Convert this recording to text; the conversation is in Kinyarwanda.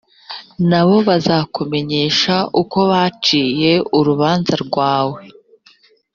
na bo bazakumenyesha uko baciye urubanza rwawe.